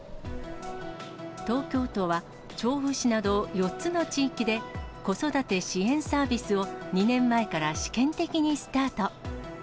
東京都は調布市など４つの地域で、子育て支援サービスを２年前から試験的にスタート。